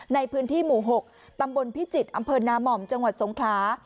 ในพื้นที่หมู่๖ตำบลพิจิตรอำเภอนาม่อมจังหวัดสงขลา